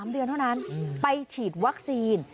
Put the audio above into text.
๓เดือนเท่านั้นไปฉีดวัคซีน